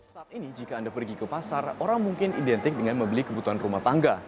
saat ini jika anda pergi ke pasar orang mungkin identik dengan membeli kebutuhan rumah tangga